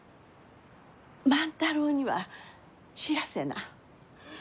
万太郎には知らせな。